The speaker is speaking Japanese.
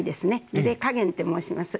ゆで加減って申します。